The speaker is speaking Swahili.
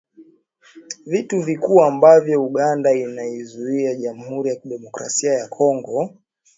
Vitu vikuu ambavyo Uganda inaiuzia jamuhuri ya kidemokrasia ya Kongo